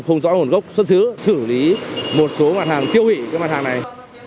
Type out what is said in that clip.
không rõ nguồn gốc xuất xứ xử lý một số mặt hàng tiêu hủy cái mặt hàng này